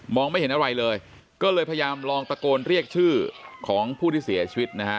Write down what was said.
ไม่เห็นอะไรเลยก็เลยพยายามลองตะโกนเรียกชื่อของผู้ที่เสียชีวิตนะฮะ